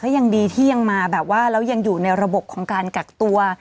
ยังดีที่ยังมาแบบว่าแล้วยังอยู่ในระบบของการกักตัว